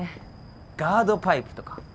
ガードパイプとか。